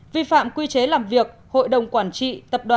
vi phạm quy chế làm việc hội đồng quản trị tập đoàn